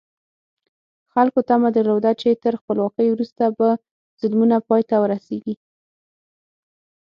خلکو تمه درلوده چې تر خپلواکۍ وروسته به ظلمونه پای ته ورسېږي.